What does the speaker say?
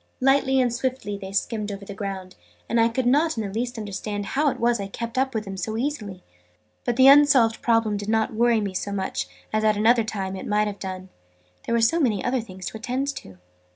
Lightly and swiftly they skimmed over the ground, and I could not in the least understand how it was I kept up with them so easily. But the unsolved problem did not worry me so much as at another time it might have done, there were so many other things to attend to.